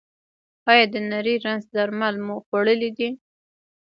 ایا د نري رنځ درمل مو خوړلي دي؟